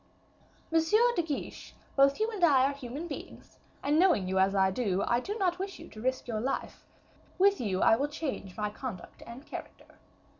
"Monsieur de Guiche, both you and I are human beings, and, knowing you as I do, I do not wish you to risk your life; with you I will change my conduct and character.